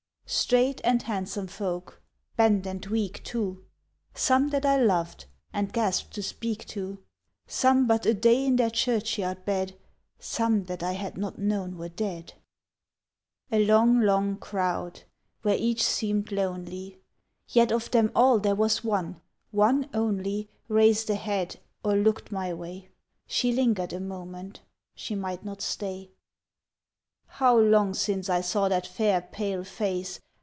Straight and handsome folk; bent and weak, too; Some that I loved, and gasp'd to speak to; Some but a day in their churchyard bed; Some that I had not known were dead. A long, long crowd where each seem'd lonely, Yet of them all there was one, one only, Raised a head or look'd my way: She linger'd a moment she might not stay. How long since I saw that fair pale face!